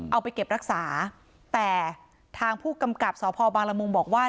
เอาไปเก็บรักษาแต่ทางผู้กำกับสพบางละมุงบอกว่า